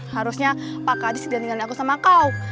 harusnya pak kadi sedang dengerin aku sama kau